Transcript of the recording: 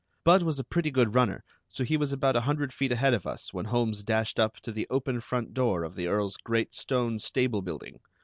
Budd was a pretty good runner, so he was about a hundred feet ahead of us when Holmes dashed up to the open front door of the Earl's great stone stable building.